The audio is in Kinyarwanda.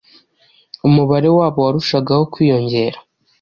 Umubare wabo warushagaho kwiyongera.